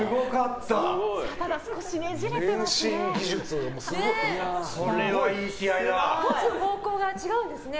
ただ、少しねじれてますね。